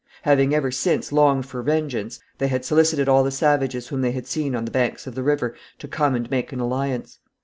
Having ever since longed for vengeance, they had solicited all the savages whom they had seen on the banks of the river to come and make an alliance.